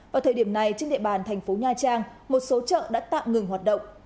vào thời điểm này trên địa bàn thành phố nha trang một số chợ đã tạm ngừng hoạt động